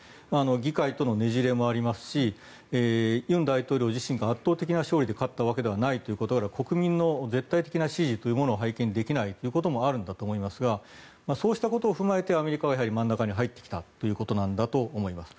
議会とのねじれもあるし尹大統領が圧倒的な差で勝ったわけでもなく国民の絶対的な支持というものを背景にできないところもあるんだと思いますがそうしたことを踏まえてアメリカは、やはり真ん中に入ってきたということなんだと思います。